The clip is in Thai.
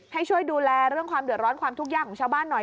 ให้ช่วยดูแลเรื่องความเดือดร้อนความทุกข์ยากของชาวบ้านหน่อย